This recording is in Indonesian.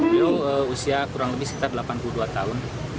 beliau usia kurang lebih sekitar delapan puluh dua tahun